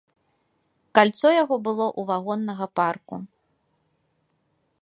Кальцо яго было ў вагоннага парку.